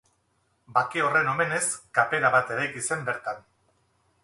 Bake horren omenez, kapera bat eraiki zen bertan.